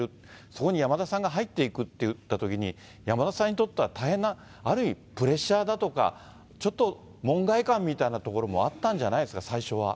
そこに山田さんが入っていくっていったときに、山田さんにとっては大変な、ある意味、プレッシャーだとか、ちょっと門外漢みたいなところもあったんじゃないですか、最初は。